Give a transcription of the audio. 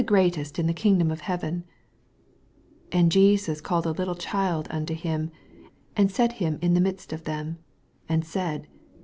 greatest in the kingdom of heaven i 2 And Jesus c^ed a little child unto him, and set him in tho midsl of them, 3 And said.